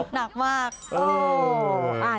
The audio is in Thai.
หนักมาก